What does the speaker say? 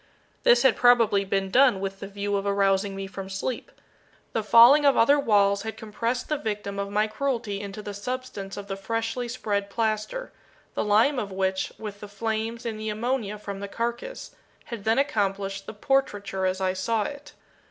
This had probably been done with the view of arousing me from sleep. The falling of other walls had compressed the victim of my cruelty into the substance of the freshly spread plaster; the lime of which, with the flames and the ammonia from the carcass, had then accomplished the portraiture as I saw it.